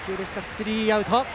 スリーアウト。